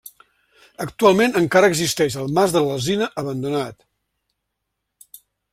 Actualment encara existeix el Mas de l'Alzina, abandonat.